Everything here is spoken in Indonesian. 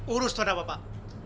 urus tuhan apa pak